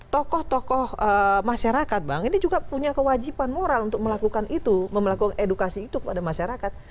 tokoh tokoh masyarakat bank ini juga punya kewajiban moral untuk melakukan itu melakukan edukasi itu kepada masyarakat